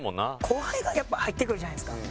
後輩がやっぱ入ってくるじゃないですか。